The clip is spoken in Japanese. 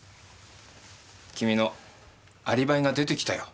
君のアリバイが出てきたよ。